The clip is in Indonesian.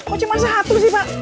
oh cuma satu sih pak